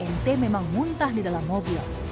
nt memang muntah di dalam mobil